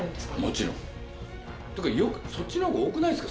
もちろん。というか、そっちのほうが多くないですか？